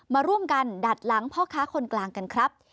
มาร่วมกันดัดหลังพ่อค้าคนกลางกันครับ